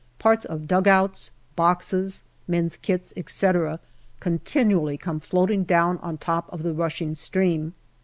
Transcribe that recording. Parts of dugouts, boxes, men's kits, etc., continually come floating down on top of the rushing stream.